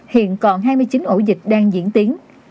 hiện còn hai mươi chín ổ dịch đang diễn tiến